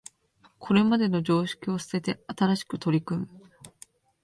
これまでの常識を捨てて新しく取り組む